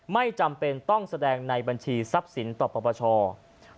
ไม่จำเป็นต้องแสดงในบัญชีทรัพย์สินต่อปปช